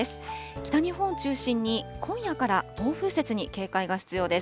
北日本を中心に、今夜から暴風雪に警戒が必要です。